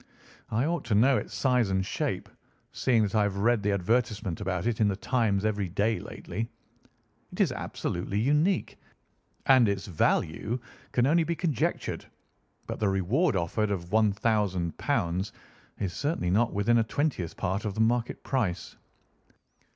I ought to know its size and shape, seeing that I have read the advertisement about it in The Times every day lately. It is absolutely unique, and its value can only be conjectured, but the reward offered of £ 1000 is certainly not within a twentieth part of the market price."